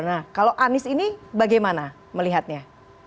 nah kalau anies ini bagaimana melihatnya